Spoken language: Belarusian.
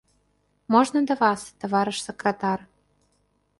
Можна да вас, таварыш сакратар?